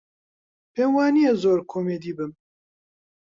پێم وا نییە زۆر کۆمیدی بم.